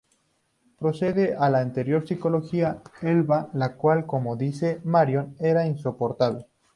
Precede a la anterior psicóloga, Elba, la cual como dice Marion era insoportable.